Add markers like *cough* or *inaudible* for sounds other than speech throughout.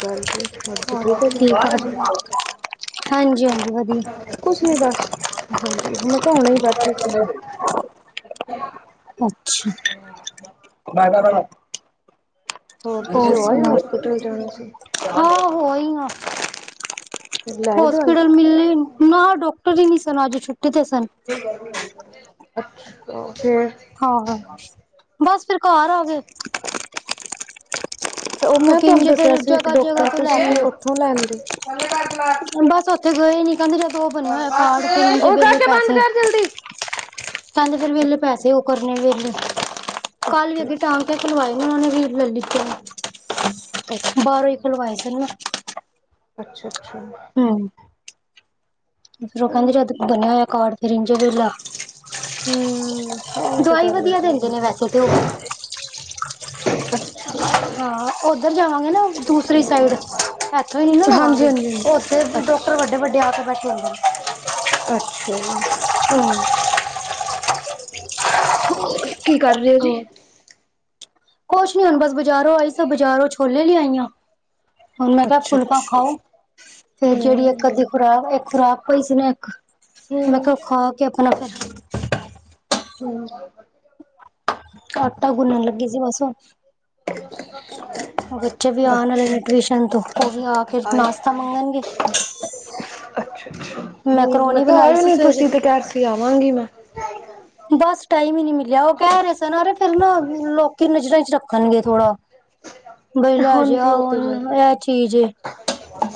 ਗੱਲ ਐ, ਤੁਸੀ ਹੋਰ ਠੀਕ ਔ ਜੀ? ਆ *unintelligible* ਹਾਂਜੀ ਹਾਂਜੀ ਵਧੀਆ ਕੁਛ ਨੀ ਬੱਸ, ਹਾਂਜੀ ਮੈਂ ਕਿਹਾ ਹੁਣ ਈ ਬੈਠੇ ਸੀ। ਅੱਛਾ, ਅੱਛਾ, ਹੋਰ ਤੁਸੀਂ ਹੋ ਆਏ ਹੋ ਸੁਣਾਓ? ਹੋਸਪਿਟਲ ਜਾਣਾ ਸੀ ਹਾ ਹੋ ਆਈ ਆ ਮੈ, ਲਾਏ ਦਵਾਈ ਹੋਸਪਿਟਲ ਮਿਲੇਨ ਨਾ ਡਾਕਟਰ ਵੀ ਨੀ ਸਨ, ਅੱਜ ਛੁੱਟੀ ਤੇ ਸਨ। ਅੱਛਾ ਫੇਰ ਆਹੋ, ਬਸ ਫਿਰ ਘਰ ਆ ਗੇ। ਉਹ ਮੈਂ ਤੁਹਾਨੂੰ ਦੱਸਿਆ ਸੀ, ਇੱਕ ਜਗ੍ਹਾ ਡੋਕਟਰ ਤੋਂ ਲੈ ਕੇ ਤੁਸੀਂ ਉਥੋਂ ਲੈ ਆਦੇ। ਤੇ ਗੇ ਨੀ ਕਹਿੰਦੇ ਜਦੋਂ ਉਹ ਬਣਿਆ ਹੋਇਆ, ਕਾਰਡ ਫੇਰੇ ਉਹ ਦੇਲੇ ਕਾਕੇ ਬੰਦ ਪੈਸੇ ਕਰ ਜਲਦੀ ਕਹਿੰਦੇ ਫੇਰ ਵੇਹਲੇ ਅੱਛਾ ਪੈਸੇ ਉਹ ਕਰਨੇ ਵੇਹਲੇ ਕੱਲ੍ਹ ਵੀ ਅੱਛਾ ਅੱਗੇ ਟਾਕੇ ਖਿਲਵਾਏ ਉਨਾਂ ਨੇ ਵੀਰ ਰੁਪਏ ਲਿੱਤੇ ਅੱਛਾ ਨ। ਬਾਰੋ ਖੁਲਵਾਏ ਸੀਗੇ ਮੈ। ਅੱਛਾ-ਅੱਛਾ। ਹੂੰ। ਫਿਰ ਉਹ ਹਮ ਕਹਿੰਦੇ ਜਦ ਬੰਣਿਆ ਹੋਇਆ ਕਾਰਡ ਫਰੀ ਚ ਵੇਲਾ ਹਾਂ ਉਹ ਤਾਂ ਦਵਾਈ ਗੱਲ ਵਧੀਆ ਹੈਗੀ ਦਿੰਦੇ ਨੇ ਵੈਸੇ ਤੇ ਉਹ ਵੀ *inaudible* ਹਾਂ ਉੱਧਰ ਜਾਵਾਂਗੇ, ਨਾ ਦੂਸਰੀ ਸਾਈਡ ਇੱਥੋਂ ਨੀ ਨਾ ਹਾਂਜੀ ਲਵਾਂਗੇ। ਹਾਂਜੀ ਹਾਂਜੀ ਉਥੇ ਤੇ ਡਾਕਟਰ ਅੱਛਾ ਵੱਡੇ-ਵੱਡੇ ਆਕੇ ਬੈਠੇ ਹੋਦੇਣ। ਅੱਛਾ ਜੀ। ਹੂੰ ਹੋਰ ਕੀ ਕਰ ਰਹਿ ਹੋ ਜੀ? ਹੋਰ ਕੁਛ ਨੀ ਹੁਣ ਬਸ ਬਾਜ਼ਾਰੋਂ ਆਈ ਸ ਬਾਜ਼ਾਰੋਂ ਛੋਲੇ ਲਿਆਈ ਆ। ਹੁਣ ਮੈਂ ਕਿਹਾ ਅੱਛਾ ਫੁਲਕਾ ਅੱਛਾ। ਖਾਓ, ਫੇਰ ਜਿਹੜੀ ਇੱਕ- ਅੱਧੀ ਖੁਰਾਕ ਇਕ ਖੁਰਾਕ ਪਈ ਸੀ ਨਾ ਇਕ, ਮੈਂ ਹੂੰ-ਹੂੰ-ਹੂੰ। ਖਾ ਕੇ ਆਪਣਾ ਫੇਰ ਹੂੰ ਆਟਾ ਗੁੰਨਣ ਲੱਗੀ ਸੀ ਬਸ ਹੁਣ *inaudible* ਬੱਚੇ ਵੀ ਆਣ ਅੱਛਾ ਵਾਲੇ ਨੇ ਟਿਊਸ਼ਨ ਤੋਂ ਉਹ ਵੀ ਆ ਕੇ ਆਏ ਨਾਸ਼ਤਾ ਮੰਗਣਗੇ। ਅੱਛਾ-ਅੱਛਾ, ਹੂੰ ਮੈਂ ਮੈਂਕਰੋਨੀ ਕਿਆ ਬਣਾਈ ਆਏ ਸੀ ਨੀ ਸਵੇਰੇ ਤੁਸੀਂ ਤੇ ਕੇਆ ਰਹੇ ਸੀ ਆਵਾਂਗੀ ਮੈਂ। ਬਸ ਟਾਈਮ ਹੀ ਨੀ ਮਿਲਿਆ, ਉਹ ਕਹਿ ਰਹੇ ਸਨ ਫੇਰ ਨਾ ਲੋਕੀ ਨਜ਼ਰਾਂ ਚ ਰੱਖਣਗੇ ਥੋੜਾ। ਬਈ ਲੈਜੋ ਹਾਂਜੀ ਅ ਉਹ ਤੇ ਗੱਲ ਹੁਣ ਹੈ। ਇਹ ਚੀਜ ਏ,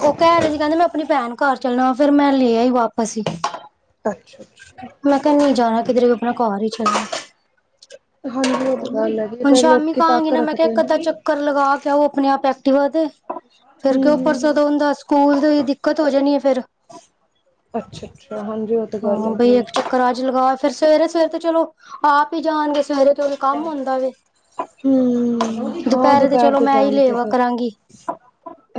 ਉਹ ਕਹਿ ਰਹੇ ਸੀ। ਕਹਿੰਦੇ ਮੈਂ ਆਪਣੀ ਭੈਣ ਘਰ ਚੱਲਣਾ ਵਾ ਫੇਰ ਮੈਂ ਲਿਆਈ ਵਾਪਸ ਈ। ਅੱਛਾ-ਅੱਛਾ। ਮੈਂ ਕਿਹਾ ਨੀ ਜਾਣਾ ਕਿਧਰੇ ਕੋ ਆਪਣਾ ਘਰ ਹੀ ਚੱਲੋ। ਹਾਂਜੀ ਉਹ ਤਾਂ ਗੱਲ ਹੈਗੀ, ਫੇਰ ਸ਼ਾਮੀ ਲੋਕੀ ਕਹਾਂਗੀ ਤੱਕ ਨਾ ਮੈਂ ਕਿਹਾ ਰੱਖਦੇ ਇੱਕ ਨ। ਅੱਧਾ ਚੱਕਰ ਲਗਾ ਕੇ ਆਓ ਆਪਣੇ ਆਪ ਐਕਟਿਵਾ ਤੇ ਫੇਰ ਕਿਉਂ ਪਰਸੋ ਹੂੰ-ਹੂੰ-ਹੂੰ। ਦਾ ਹੁਣ ਦੱਸ। ਸਕੂਲ ਦੀ ਦਿੱਕਤ ਹੋ ਜਾਣੀ ਐ ਫੇਰ ਅੱਛਾ-ਅੱਛਾ ਹਾਂਜੀ। ਤਾਂ ਗੱਲ ਹਾਂ ਹੈਗੀ ਬਈ ਹੈ ਇੱਕ ਜੀ। ਚੱਕਰਾ ਚ ਲਗਾ ਕੇ, ਫੇਰ ਸਵੇਰੇ- ਸਵੇਰੇ ਤੇ ਚਲੋ। ਆਪ ਹੀ ਜਾਣਗੇ ਸਵੇਰੇ ਥੋੜਾ ਕੰਮ ਹੁੰਦਾ ਵੇ। ਹੂੰ, ਹਾਂ ਦੁਪਹਿਰੇ ਤੇ ਦੁਪਹਿਰ ਚਲੋ ਦੇ ਮੈਂ ਹੀ ਟੈਮ ਤੇ ਲੇਵਾ ਫਿਰ ਕਰਾਂਗੀ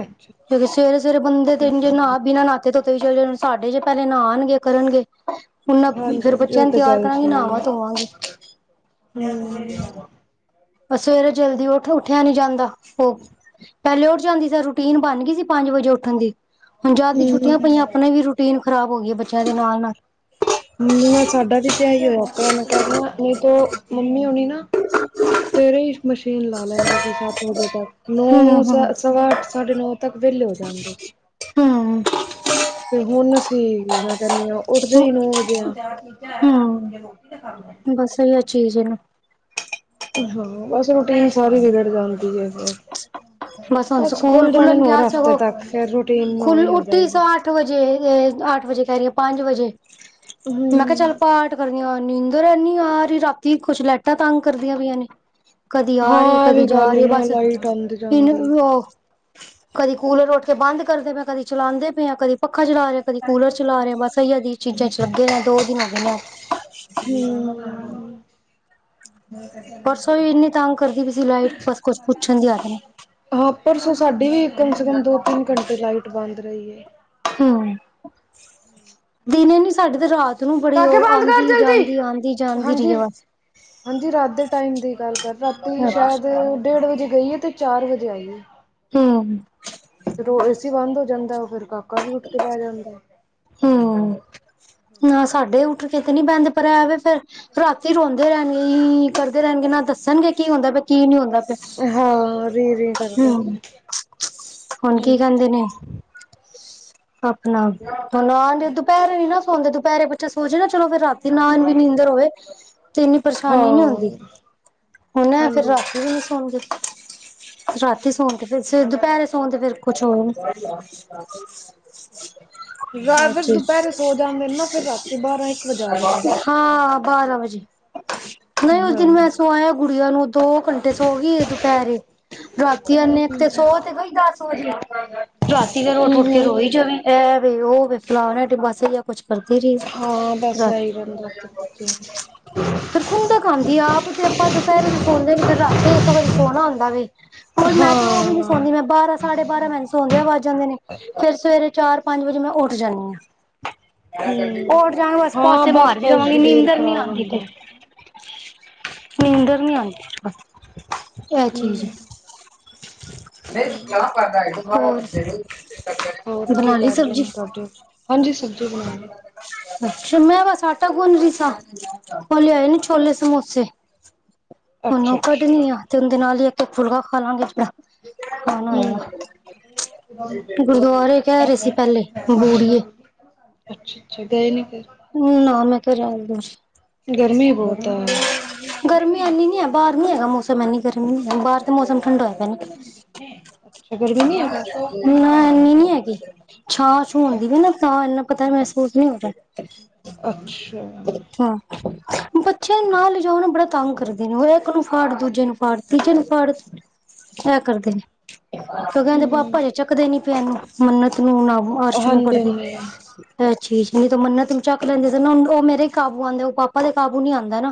ਅੱਛਾ ਕਿਉਂਕਿ ਸਵੇਰੇ-ਸਵੇਰੇ ਬੰਦੇ ਤੇੇ ਨਾ ਬਿਨਾਂ ਨਾਤੇ ਧੋਤੇ ਵੀ ਚਲੇ ਜਾਣ ਸਾਡੇ ਜੇ ਪਹਿਲੇ ਨਾਣ ਗੇ ਕਰਨਗੇ। ਹੁਣ ਫੇਰ ਹਾਂਜੀ-ਹਾਂਜੀ ਬੱਚਿਆਂ ਉਹ ਨੂੰ ਤੇ ਤਿਆਰ ਗੱਲ ਕਰਾਂਗੇ ਸਹੀ ਨਹਾਵਾਂ ਧੋਵਾਂਗੇ ਐ, ਹੂੰ ਪਰ ਸਵੇਰੇ ਜਲਦੀ ਉਠੋ ਉੱਠਿਆ ਨੀ ਜਾਂਦਾ ਉਹ ਪਹਿਲੇ ਉੱਠ ਜਾਂਦੀ ਸੀ ਰੂਟੀਨ ਬਣ ਗਈ ਸੀ, ਪੰਜ ਵਜੇ ਉੱਠਣ ਦੀ ਹੁਣ ਜਦ ਦੀ ਛੁੱਟੀਆਂ ਪਈਆਂ ਹੂੰ-ਹੂੰ। ਆਪਣੇ ਵੀ ਰੂ ਰੁਟੀਨ ਖਰਾਬ ਹੋ ਗਈ ਐ ਬੱਚਿਆਂ ਦੇ ਨਾਲ ਨਾਲ। ਹੂੰ ਮੈਂ ਸਾਡਾ ਵੀ ਤੇ ਹੀ ਹੋਇਆ ਪਿਆ ਮੈਂ ਕਹਿ ਰਹੀ ਆ ਨਹੀਂ ਤੋ ਮੰਮੀ ਹੋਣੀ ਨਾ ਸਵੇਰੇ ਈ ਮਸ਼ੀਨ ਲਾ ਲੈਂਦੇ ਸੀ ਸੱਤ ਵਜੇ ਤੱਕ ਹੂੰ ਨੌ ਹੂੰ ਸ- ਸਵਾ ਅੱਠ ਸਾਢੇ ਨੌ ਤੱਕ ਵਿਲੇ ਹੋ ਜਾਂਦੇ ਸੀ। ਹੂੰ। ਤੇ ਹੁਨ ਅਸੀ ਕਰਨੀ ਆ ਉੱਠਦੇ ਈ ਨੌ ਵਜੇ ਆ। ਬੱਸ ਏਹੀਓ। ਚੀਜ ਨੂੰ। ਹਾਂ ਬਸ ਓ ਰੂਟੀਨ ਸਾਰੀ ਬੀਰੜ ਜਾਂਦੀ ਐ। ਹੁਣ ਬਸ ਸਕੂਲ ਖੁਲ ਜਣੇ ਖੁੱਲਣ ਨੇ ਗਿਆ ਹੋਰ ਹਫ਼ਤੇ ਸਗੋਂ ਤੱਕ ਫੇਰ ਰੂਟੀਨ ਖੁੱਲ ਓਵੇ ਈ ਹੋ ਉੱਠੀ ਜਾਏਗੀ। ਸਾਂ ਅੱਠ ਵਜੇ ਅੱਠ ਵਜੇ ਕੇ ਰੀ ਆ ਪੰਜ ਵਜੇ। ਹੂੰ। ਮੈਂ ਕਯਾ ਚੱਲ ਪਾਠ ਕਰਨੀ ਆ ਓ ਨੀਂਦਰ ਏਨੀ ਆ ਰੀ ਰਾਤੀ ਕੁਛ ਲੇਟਾ ਤੰਗ ਕਰਦੀਆਂ ਪਈਆਂ ਨੇ। ਕਦੀ ਆ ਰੀ ਏ ਹਾਂ ਇਹ ਕਦੀ ਵੀ ਜਾ ਗੱਲ ਰੀ ਏ ਨਾ ਬਸ। ਲਾਈਟ ਆਉਂਦੀ ਜਾਂਦੀ ਇਹਨੂੰ ਕਦੀ ਕੂਲਰ ਉੱਠ ਕੇ ਬੰਦ ਕਰਦੇ ਪਏ ਆ ਕਦੀ ਚਲਾਂਦੇ ਪਏ ਆ ਕਦੀ ਪੱਖਾ ਚਲਾ ਰੇ ਕਦੀ ਕੂਲਰ ਚਲਾ ਰੇ ਆ ਬਸ ਐਇਆ ਅਜੀਬ ਚੀਜ਼ਾ ਚ ਲੱਗੇ ਦੇ ਆ ਦੋ ਦਿਨ ਹੋ ਗਏ ਨੇ ਅੱਜ। ਹਮ ਪਰਸੋ ਵੀ ਇੰਨੀ ਤਗ ਕਰਦੀ ਪੀ ਸੀ ਲਾਈਟ ਬਸ ਕੁੱਛ ਪੁੱਛਨ ਦੀ ਹੱਦ ਨੀ। ਹਾਂ ਪਰਸੋ ਸਾਡੀ ਵੀ ਕਮ ਸੇ ਕਮ ਦੋ ਤਿੰਨ ਘੰਟੇ ਲਾਈਟ ਬੰਦ ਰਈ ਏ। ਹੂੰ ਦਿਨੇ ਨੀ ਸਾਡੇ ਤੇ ਰਾਤ ਤ ਨੂੰ ਬੜੀ ਓ ਕਾਕੇ ਬੰਦ ਕਰ ਆਂਦੀ ਜਲਦੀ ਜਾਂਦੀ ਆਂਦੀ ਜਾਂਦੀ ਰੀ ਹਾਂਜੀ। ਐ ਬਸ। ਹਾਂਜੀ ਰਾਤ ਦੇ ਟਾਈਮ ਦੀ ਗੱਲ ਕਰਦਾ ਰਾਤੀ ਸ਼ਾਇਦ ਅੱਛਾ ਡੇਢ ਵਜੇ ਗਈ ਏ ਤੇ ਚਾਰ ਵਜੇ ਆਈ ਏ ਹੂੰ ਫੇਰ ਓ ਏਸੀ ਬੰਦ ਹੋ ਜਾਂਦਾ ਏ ਓ ਫੇਰ ਕਾ ਕਾ ਵੀ ਉੱਠ ਕੇ ਬੈ ਜਾਂਦਾ ਏ। ਹੂੰ ਨਾ ਸਾਡੇ ਉੱਠ ਕੇ ਤੇ ਨੀ ਬੇਂਦਾ ਪਰ ਐ ਵੇ ਫੇਰ ਰਾਤੀ ਰੋਂਦੇ ਰੇਂਗੇ ਈ ਕਰਦੇ ਰੈਨਗੇ ਨਾ ਦੱਸਨਗੇ ਕੀ ਹੁੰਦਾ ਪਆ ਕੀ ਨੀ ਹੁੰਦਾ ਪਆ। ਹਾਂ ਰੀ ਰੀ ਕਰਦਾ ਹਾਂ ਹੂੰ ਹੁਨ ਕੀ ਕੇਂਦੇ ਨੇ? ਅਪਨਾ ਆਨ ਗੇ ਦੁਪੇਰੇ ਨੀ ਨਾ ਸੌਦੇ ਦੁਪੇਰੇ ਬੱਚੇ ਸੋ ਜੇ ਨਾ ਚਲੋ ਫੇਰ ਰਾਤੀ ਨਾ ਆਂਦੀ ਨੀਂਦਰ ਹੋਵੇ ਤੇ ਇੰਨੀ ਪਰੇਸ਼ਾਨੀ ਨੀ ਹੁੰਦੀ। ਹੁਨ ਏ ਫਿਰ ਰਾਤੀ ਹਾਂਜੀ। ਵੀ ਨੀ ਸੋਂਗੇ। ਰਾਤੀ ਸੌਨ ਤੇ ਫਿਰ ਫੇ ਦੁਪੇਰੇ ਸੋਨ ਤੇ ਫਿਰ ਕੁਛ ਹੋਏ। ਜਯਾਤਰ ਨੀ। ਦੁਪੇਰੇ ਸੋ ਜਾਂਦੇ ਨੇ ਨਾ ਫੇਰ ਰਾਤੀ ਬਾਰਾ ਇੱਕ ਵਜਾ ਦਿੰਦੇ। ਹਾਂ ਬਾਰਾ ਵਜੇ ਨਈ ਉਸ ਹਾਂ ਦਿਨ ਮੈਂ ਸਵਾਇਆ ਗੁੜੀਆਂ ਨੂੰ ਦੋ ਘੰਟੇ। ਤੇ ਸੋ ਗਈ ਏ ਦੁਪੇਰੇ ਰਾਤੀ ਐਨੇ ਇੱਕ ਤੇ ਸੌ ਤੇ ਗਈ ਦਸ ਵਜੇ। ਰਾਤੀ ਫੇਰ ਉੱਠ ਉੱਠ ਕੇ ਹੂੰ ਰੋਈ ਜਵੇ ਐ ਵੈ ਓ ਵੈ ਫਲਾਣਾ ਐ ਟਿ ਐ ਬਸ ਐਹੀਓ ਕੁਛ। ਕਰਦੀ ਰੀ ਹਾਂ ਬਸ ਰਾ ਇਹੀ ਰਹਿੰਦਾ ਫਿਰ ਬੱਚੇ ਫੇਰ ਖੁੰਦਕ ਆਂਦੀ ਆਪ ਤੇ ਆਪਾਂ ਦੁਪੇਰੇ ਤੇ ਸੋਂਦੇ ਨੀ ਫੇਰ ਰਾਤੀ ਇੱਕ ਵਰੀ ਸੋਨਾ ਹੁੰਦਾ ਵੇ। ਕੋਈ ਮੈਂ ਤੇ ਓ ਵੀ ਨੀ ਹਾਂ ਸੌਂਦੀ ਮੈਂ ਬਾਰਾ ਸਾਢੇ ਬਾਰਾ ਮੈਨੂੰ ਸੌਂਦਯਾ ਵਜ ਜਾਂਂਦੇ ਨੇ ਫੇਰ ਸਵੇਰੇ ਚਾਰ ਪੰਜ ਵਜੇ ਮੈਂ ਉੱਠ ਜਾਂਨੀ ਆ। ਉਠ ਹੂੰ ਜਾਂਗੀ ਬਸ ਹਾਂ ਪਾਸੇ ਬਸ ਮਾਰਦੀ ਫੇਰ ਰਵਾਂਗੀ ਸਰੀਰ ਨੀਂਦਰ ਨੀ ਖ਼ਰਾਬ ਆਂਦੀ ਹੁੰਦਾ ਫੇਰ। ਨੀਂਦਰ ਨੀ ਆਂਦੀ। ਐ ਚੀਜ ਹੂੰ ਹੂੰ ਹੋਰ? *unintelligible* ਹੋਰ ਕੀ ਕਰ ਰੇ ਨੇ ਤੁਆਡੇ ਹਾਂਜੀ ਸਬਜੀ ਬਨਾ ਲੀ। ਅੱਛਾ ਮੈਂ ਬਸ ਆਟਾ ਗੁਨ ਰੀ ਸਾ। ਓ ਲਆਏ ਨੀ ਛੋਲੇ ਸਮੋਸੇ। ਹੁਨ ਅੱਛਾ ਓ ਅੱਛਾ ਕੱਢਨੀ ਆ ਤੇ ਓਦੇ ਨਾਲ ਈ ਇੱਕ ਇਕ ਫੁਲਕਾ ਖਾ ਲਾਂਗੇ ਥੋੜਾ। ਹੁਨ ਹੂੰ ਹੋਏਆ ਗੁਰਦੁਆਰੇ। ਕੈ ਰੇ ਸੀ ਪੈਲੇ ਬੂੜੀਏ। ਅੱਛਾ-ਅੱਛਾ ਗਏ ਨੀ ਫੇਰ। ਨਾ ਮੈਂ ਤੇ ਰੈਨ ਦੋ, ਗਰਮੀ ਬਹੁਤ ਗਰਮੀ ਹੈ ਐਈ ਨੀ ਐ। ਬਾਰ ਨੀ ਹੈਗਾ ਮੌਸਮ ਐਨੀ ਗਰਮੀ ਹੈ ਬਾਰ। ਤੇ ਮੌਸਮ ਠੰਡਾ ਹੋਏਆ ਪੈ ਨੇ। ਅੱਛਾ ਗਰਮੀ ਨਹੀਂ ਹੈ ਅੱਛਾ ਨਾ ਏਨੀ ਨੀ ਹੂੰ ਹੈਗੀ। ਛਾਂ ਛੂਂ ਹੁੰਦੀ ਪੀ ਨਾ ਤਾਂ ਐਨਾ ਪਤਾ ਮਹਸੂਸ ਨੀ ਹੋ ਰੈ। ਅੱਛਾ। ਹਾਂ। ਬਚੇਆਂ ਨੂੰ ਨਾਲ ਲਿਜਾਓ ਨਾ ਬੜਾ ਤੰਗ ਕਰਦੇ ਨੇ ਓ ਏਕ ਨੂੰ ਫੜ, ਦੂਜੇ ਨੂੰ ਫੜ, ਤੀਜੇ ਨੂੰ ਫੜ। ਐ ਕਰਦੇ ਨੇ। ਕਉਂਕਿ ਏਂਦੇ ਪਾਪਾ ਹਜੇ ਚੱਕਦੇ ਨੀ ਪੇ ਏਨੂੰ ਮੰਨਤ ਨੂੰ ਨਾ ਮਾਰਸ਼ ਨੂੰ ਹਾਂਜੀ ਹਾਂਜੀ ਪੜਦੇ। ਐ ਚੀਜ, ਨਈ ਤੇ ਮੰਨਤ ਨੂੰ ਚੱਕ ਲੈਂਦੇ ਸੀ ਨਾ ਓ ਮੇਰੇ ਈ ਕਾਬੂ ਆਂਦਾ ਨਾ ਓ ਪਾਪਾ ਦੇ ਕਾਬੂ ਨੀ ਆਂਦਾ ਨਾ।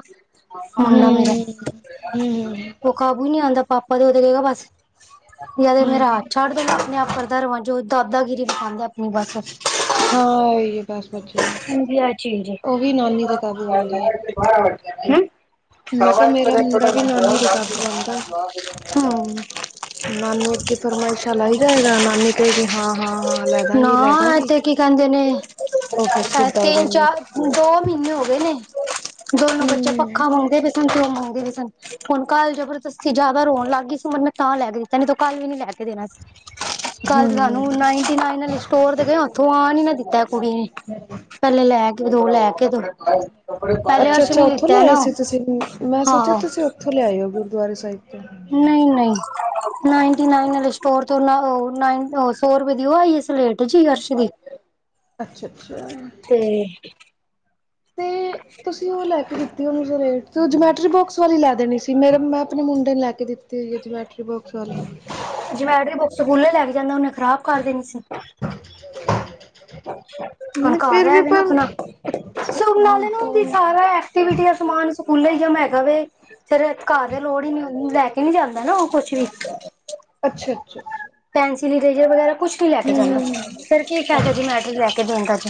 ਮੁੰਡਾ ਹੂੰ ਮੇਰਾ। ਹੂੰ ਓ ਕਾਬੂ ਨੀ ਆਂਦਾ ਪਾਪਾ ਦੇ। ਓਤੇ ਕੇਗਾ ਬਸ ਯਾ ਤੇ ਮੇਰਾ ਹੱਥ ਹੂੰ ਛੱਡ ਦੇ। ਮੈਂ ਅਪਣੇ ਆਪ ਕਰਦਾ ਰਵਾਂ ਜੋ ਦਾਦਾਗਿਰੀ ਦਿਖਾਂਦਾ ਅਪਣੀ ਬਸ। ਹਾਂ ਓਈ ਏ ਬਸ ਬੱਚੇਆਂ ਨ, ਹਾਂਜੀ ਇਹ ਚੀਜ਼ ਓ ਵੀ ਨਾਨੀ ਤੇ ਕਾਬੂ ਆਂਦਾ ਏ। ਬਾਰਾਂ ਵਜਗੇ ਨੇ। ਮੈਂ ਕਿਹਾ ਮੇਰਾ ਮੁੰਡਾ ਵੀ ਨਾਨੀ ਦੇ ਕਾਬੂ ਆਂਦਾ ਏ। ਹਾਂ। ਨਾਨੀ ਅੱਗੇ ਫਰਮਾਇਸ਼ਾਂ ਲਾਈ ਜਾਏਗਾ, ਨਾਨੀ ਕਏਗੀ ਹਾਂ ਹਾਂ ਹਾਂ ਲੈ ਦਾਂਗੀ ਲੈ ਦਾਂਗੀ। ਤੇ ਕੀ ਕੈਂਦੇ ਨੇ ਓ ਫੇਰ ਇਹ ਸਿੱਧਾ ਹੋ ਤਿੰਨ ਜਾਂਦਾ ਚਾਰ ਐ। ਦੋ ਮੀਨੇ ਹੋਗੇ ਨੇ ਦੋਨੋ ਬੱਚੇ ਪੱਖਾ ਹੂੰ। ਮੰਗਦੇ ਪੇ ਸਨ ਤੇ ਓ ਮੰਗਦੇ ਪੇ ਸਨ ਹੁਨ ਕਲ ਜਬਰਦਸਤੀ ਜਾਦਾ ਰੋਣ ਲੱਗ ਗਈ ਸੀ ਮਨਮਤ ਤੇ ਤਾਂ ਲੈ ਕੇ ਦਿੱਤਾ, ਨੀ ਤੇ ਕੱਲ ਵੀ ਨੀ ਲੈ ਕੇ ਦੇਨਾ ਸੀ। ਕੱਲ ਤੇ ਸਾਨੂੰ ਹੂੰ। ਨਾਈਨਟੀ ਨਾਈਨ ਆਲੀ ਸਟੋਰ ਤੇ ਗਏ ਉੱਥੋਂ ਆਣ ਈ ਨਾ ਦਿੱਤਾ ਐ ਕੁੜੀ ਨੇ ਪੈਲੇ ਲੈ ਕੇ ਦੋ, ਲੈ ਕੇ ਦੋ। ਪਹਿਲੇ ਅੱਛਾ ਅਰਸ਼ ਅੱਛਾ, ਨੇ ਓਥੋਂ ਲਿੱਤਾ ਲੇਆਏ ਨਾ ਸੀ ਤੁਸੀ ਮੈਂ ਸੋਚੇਆ ਹਾਂ ਤੁਸੀ ਥੋਂ ਲਆਏ ਓ ਗੁਰਦੁਆਰੇ ਸਾਹਿਬ ਤੋਂ। ਨਈ ਨਈ। ਨਾਈਨਟੀ ਨਾਈਨ ਆਲੇ ਸਟੋਰ ਤੋਂ ਨ ਓ ਨਾ ਸੋ ਰਪਏ ਦੀਓ ਆਈਏ ਸਲੇਟ ਜੀ ਅਰਸ਼ ਦੀ। *unintelligible* ਅੱਛਾ ਅੱਛਾ। ਤੇ ਤੇ ਤੁਸੀ ਓ ਲੈ ਕੇ ਦਿ ਜਮੈਟਰੀ ਬੋਕਸ ਵਾਲੀ ਲੈ ਦੇਣੀ ਸੀ। ਮੇਰੇ ਮੈਂ ਅਪਣੇ ਮੁੰਡੇ ਨੂੰ ਲੈ ਕੇ ਦਿੱਤੀ ਹੋਈ ਏ ਜਮੈਟਰੀ ਬੋਕਸ। ਚਲ ਜਮੈਟਰੀ ਬੋਕਸ ਸਕੂਲੇ ਲੈਕੇ ਜਾਂਦਾ ਓਨੇ ਖਰਾਬ ਕਰ ਦੇਨੀ ਸੀ। *unintelligible* ਹੁਨ ਨਹੀਂ ਘਰ ਫਿਰ ਵੀ ਐਵੇ ਨਾ ਪਰ ਅਪਨਾ ਅੱਛਾ ਸੁ ਹਾਂ ਨਾਲੇ ਨ ਔਂਦੀ ਹਾਂ ਸਾਰੇ ਐਕਟੀਵਿਟੀ ਦਾ ਸਮਾਨ ਸਕੂਲੇ ਈ ਜਮਾ ਹੈਗਾ ਵੇ। ਫੇਰ ਘਰ ਤੇ ਲੋੜ ਈ ਨੀ। ਲੈ ਕੇ ਨੀ ਜਾਂਦਾ ਨਾ ਓ ਕੁਛ ਵੀ। ਅੱਛਾ ਅੱਛਾ ਅੱਛਾ। ਪੈਨਸਿਲ ਇਰੇਜਰ ਵਗੈਰਾ ਕੁਛ ਨੀ ਲੈ ਕੇ ਹੂੰ ਜਾਂਦਾ। ਹੂੰ ਹੂੰ ਫੇਰ ਕੀ ਅੱਛਾ ਫੈਦਾ ਹਾਂ ਜਮੈਟਰੀ ਲੈ ਕੇ ਦੇਣ ਦਾ ਅਜੇ।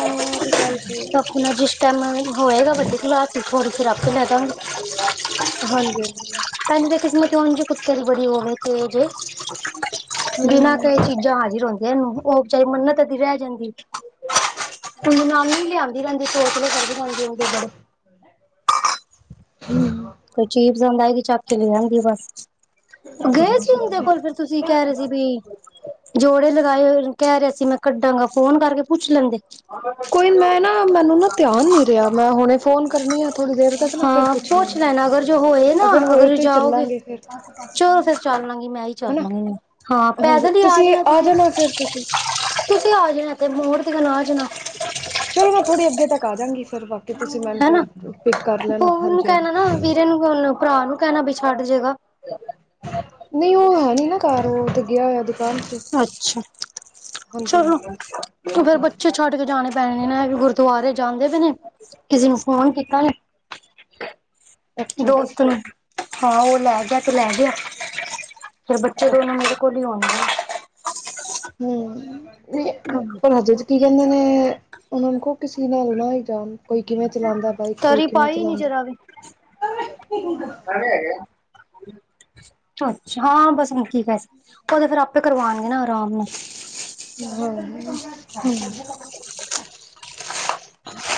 ਉਹ ਵੀ ਗੱਲ ਸਹੀ ਹੈ ਅਪਨਾ ਜੀ। ਹੋਏਗਾ ਵੱਡੀ ਕਲਾਸ ਫਿਰ ਆਪੇ ਲੈ ਦਾਂਗੇ। ਹਾਂਜੀ ਹਾਂਜੀ। ਪੰਜ ਤਾਂ ਕਿਸਮਤ ਹੋਣ ਜੇ ਕੁੱਤੇ ਦੀ ਬੜੀ ਹੋਵੇ ਤੇਜ ਬਿਨਾਂ ਹੂੰ ਕਈ ਚੀਜ਼ਾਂ ਹਾਜ਼ਰ ਹੁੰਦੀਆਂ, ਉਹ ਬਚਾਰੀ ਮੰਨਤ ਦੀ ਰਹਿ ਜਾਂਦੀ ਉਹਦੀ ਮਾਮੀ ਵੀ ਲਿਆਉਂਦੀ ਰਹਿੰਦੀ, ਚੌਂਚਲੇ ਕਰਦੀ ਰਹਿੰਦੀ ਉਹਦੇ ਬੜੇ ਹਮ ਹਾਂ ਕੋਈ ਚੀਜ਼ ਪਸੰਦ ਆਏਗੀ, ਚੱਕ ਕੇ ਲੈ ਆਉਂਦੀ ਬਸ ਗਏ ਸੀ ਅੱਛਾ ਔਂਦੇ ਅੱਛਾ ਕੋਲ, ਫੇਰ ਤੁਸੀਂ ਕਹਿ ਰਹੇ ਸੀ ਵੀ ਜੋੜੇ ਲਗਾਏ ਹੋਏ ਕਹਿ ਰਹੇ ਸੀ, ਮੈਂ ਕੱਢਾਂਗਾ ਫੋਨ ਕਰਕੇ ਪੁੱਛ ਲੈਂਦੇ ਕੋਈ ਮੈਂ ਨਾ ਮੈਨੂੰ ਨਾ ਧਿਆਨ ਨੀ ਰਿਹਾ ਮੈਂ ਹੁਣੇ ਫੋਨ ਕਰਨੀ ਆ ਥੋੜ੍ਹੀ ਦੇਰ ਤੱਕ ਨਾ ਫਿਰ ਹਾਂ ਪੁੱਛਣੀ ਸੋਚ ਆ ਲੈਨਾ। ਅਗਰ ਜੋ ਹੋਏ ਨਾ, ਹੋਏ ਅਗਰ ਤੇ ਜਾਓਗੇ, ਚੱਲਾਂਗੇ ਫਿਰ ਚਲੋ ਫਿਰ ਚੱਲ ਲਾਂਗੀ ਮੈਂ ਹੀ ਚੱਲ ਹਨਾ ਲਾਂਗੀ। ਹਾਂ ਹਾਂਜੀ ਪੈਦਲ ਹੀ ਆ ਜਾਨਾ ਤੁਸੀਂ, ਜਾਣਾ ਫਿਰ ਤੁਸੀਂ ਤੁਸੀਂ ਆ ਜਾਨਾ ਤੇ ਮੋੜ ਤਕਣ ਆ ਜਾਨਾ। ਚਲੋ ਮੈਂ ਥੋੜ੍ਹੀ ਅੱਗੇ ਤੱਕ ਆ ਜਾਂਗੀ, ਫੇਰ ਬਾਕੀ ਤੁਸੀਂ ਮੈਨੂੰ ਹੈਨਾ ਫਿਰ ਪਿੱਕ ਕਰ ਲੈਣਾ ਹਾਂਜੀ। ਹੁਣ ਭਰਾ ਨੂੰ ਕਹਿਣਾ ਵੀ ਛੱਡ ਜਾਏਗਾ। ਨਹੀਂ, ਉਹ ਹੈ ਨੀ ਨਾ ਘਰ, ਉਹ ਗਿਆ ਹੋਇਆ ਦੁਕਾਨ ਤੇ। ਅੱਛਾ ਹਾਂਜੀ ਚਲੋ, ਹਾਂਜੀ ਫਿਰ ਬੱਚੇ 'ਚ ਛੱਡ ਕੇ ਜਾਣੇ ਪੈਣੇ ਨੇ, ਗੁਰਦੁਆਰੇ ਜਾਂਦੇ ਨੀ, ਕਿਸੀ ਨੂੰ ਫੋਨ ਕੀਤਾ ਨੀ ਅੱਛਾ ਦੋਸਤ ਅੱਛਾ ਨੂੰ, ਹਾਂ ਉਹ ਲੈ ਗਿਆ ਤੇ ਲੈ ਗਿਆ ਫਿਰ ਬੱਚੇ ਦੋਨੋਂ ਅੱਛਾ ਮੇਰੇ ਕੁੁਲੀ ਹੋਣ ਦੇ ਹਮ, ਨਹੀ ਹਜੇ ਤੱਕ ਕੀ ਕਹਿੰਦੇ ਨੇ ਉਨ ਕੋ ਕਿਸੇ ਨੇ ਆਉਣਾ ਹੀ ਜਾਣ। ਕੋਈ ਕਿਵੇਂ ਚਲਾਉਂਦਾ ਬਾਈਕ ਕੋਈ ਤਰੀ ਕਿਵੇਂ ਪਾਈ ਨੀ ਚਲਾਂਦਾ। ਪੈਹੇ ਹੈਗੇ ਅੱਛਾ ਬਸ ਹੁਣ ਕੀ ਕਰ ਸਕ ਉਹ ਤਾਂ ਫੇਰ ਆਪੇ ਕਰਵਾਉਣਗੇ ਨਾ ਆਰਾਮ ਨਾਲ। ਹੋਰ। ਹੂੰ।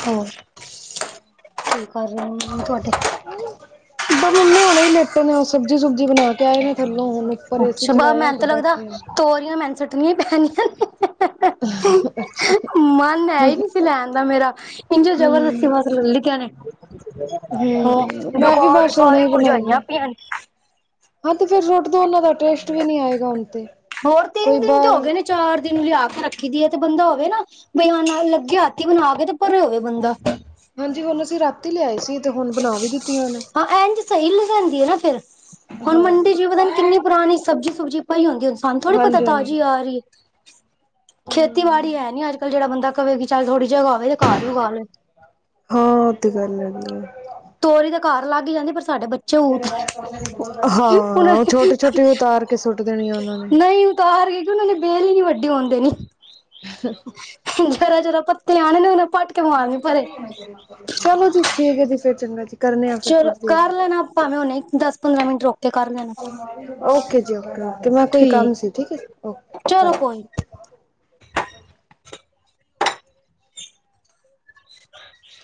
ਹੋਰ, ਕੀ ਕਰ ਰਹੇ ਮੰਮੀ ਤੁਹਾਡੇ ਬਸ ਮੰਮੀ ਹੁਣੇ ਹੀ ਲੇਟੇ ਨੇ, ਉਹ ਸਬਜ਼ੀ- ਸੁਬਜੀ ਬਣਾ ਕੇ ਆਏ ਨੇ। ਥੱਲੋਂ ਹੁਣ ਉੱਪਰ ਏ ਸੀ ਅੱਛਾ ਬ ਚਲਾਇਆ ਮੈਨੂੰ ਤੇ ਤਾਂ ਲੱਗਦਾ ਬੈਠੇ ਐ। ਤੋਰੀਆਂ ਮੈਨ ਸੁੱਟਣੀਆਂ ਹੀ ਪੈਣੀਆਂ ਨੇ। *inaudible* ਮਨ ਹੈ ਹੀ ਨਹੀਂ ਸੀ ਲੈਣ ਦਾ ਮੇਰਾ, ਇੰਝ ਜਬਰਦਸਤੀ ਹਮ ਬਸ ਲੇ ਲੀਤੀਆ ਨੇ। ਹਾਂ ਹਮ ਮੈਂ ਵੀ ਬੇਕਾਰ ਬਸ ਹੁਣੇ ਸਾਰੀਆਂ ਹੀ ਬਣਾਈ ਆ ਮੁਰਝਾਈਆਂ ਪਈਆਂ ਹੀ। ਹਾਂ ਤੇ ਫੇਰ ਰਖਦੋ ਉਹਨਾਂ ਦਾ ਟੇਸਟ ਵੀ ਨਹੀਂ ਆਏਗਾ ਹੁਣ ਤੇ, ਹੋਰ ਕੋਈ ਤਿੰਨ ਦਿਨ ਤੇ ਹੋ ਬਾਹਰ ਗਏ ਨੇ ਚਾਰ ਦਿਨ ਲਿਆ ਕੇ ਰੱਖੀ ਦੀ, ਤੇ ਬੰਦਾ ਹੋਵੇ ਨਾ ਬਿਨ ਲੱਗੇ ਹੱਥੀ ਬਣਾ ਕੇ ਤੇ ਪਰੇ ਹੋਵੇ ਬੰਦਾ। ਹਾਂਜੀ ਹੁਣ ਅਸੀ ਰਾਤ ਹਾਂ ਐੰਝ ਸਹੀ ਲਗਾਂਦੀ ਆ ਨਾ ਫੇਰ ਹੁਣ ਹਾਂ ਮੰਡੀ 'ਚ ਪਤਾ ਨੀ ਕਿੰਨੀ ਪੁਰਾਣੀ ਸਬਜ਼ੀ, ਸੁਬਜ਼ੀ ਪਈ ਹੁੰਦੀ, ਸਾਨੂੰ ਥੋੜ੍ਹੀ ਪਤਾ ਹਾਂਜੀ ਹਾਂਜੀ। ਤਾਜ਼ੀ ਆ ਰਹੀ। ਹੂੰ। ਖੇਤੀਬਾੜੀ ਹੈ ਨੀ ਅੱਜ- ਕੱਲ ਜੇਹੜਾ ਬੰਦਾ ਕਵੇ ਕਿ ਚੱਲ ਥੋੜ੍ਹੀ ਜਗਹਾ ਹੋਵੇ ਤੇ ਘਰ ਹੀ ਉਗਾ ਲਵੇ। ਹਾਂ ਇਹ ਤੇ ਗੱਲ ਹੈਗੀ ਆ। ਤੋਰੀ ਤੇ ਘਰ ਲੱਗ ਜਾਂਦੀ, ਪਰ ਸਾਡੇ ਬੱ ਉਹਨਾਂ ਹਾਂ ਨੇ ਛੋਟੇ, ਛੋਟੇ ਉਤਾਰ ਕੇ ਸੁੱਟ ਦੇਣੀਆ ਉਹਨਾਂ ਨੇ ਨਹੀਂ ਉਤਾਰ ਗਏ, ਕਿ ਉਹਨਾਂ ਨੇ ਬੇਲ ਹੀ ਨੀ ਵੱਡੀ ਹੋਣ ਦੇਣੀ। ਜਰਾ, ਜਰਾ ਪੱਤੇ ਆਣੇ ਨੇ, ਉਹਨੇ ਪੱਟ ਕੇ ਮਾਰਨੇ ਪਰੇ। ਚਲੋ ਜੀ ਠੀਕ ਹੈ ਜੀ ਫਿਰ ਚੰਗਾ ਜੀ। ਕਰਨੇ ਆ ਫਿਰ ਚਲੋ ਥੋੜ੍ਹੀ ਕਰ ਦੇਰ ਲੈਨਾ ਭਾਵੇਂ ਹੁਣੇ ਦਸ- ਪੰਦਰਾਂ ਮਿੰਟ ਰੁਕ ਤੇ ਕਰ ਲੇਣਾ, ਓਕੇ ਜੀ ਓਕੇ ਓਕੇ ਮੈਂ ਕੋਈ ਕੰਮ ਠੀਕ, ਸੀ ਠੀਕ ਹੈ ਓਕੇ ਚਲੋ ਬਾਏ। ਕੋਈ ਨਹੀ। ਹ *unintelligible*